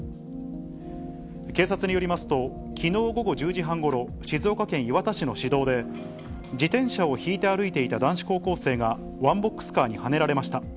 警察によりますと、きのう午後１０時半ごろ、静岡県磐田市の市道で、自転車を引いて歩いていた男子高校生がワンボックスカーにはねられました。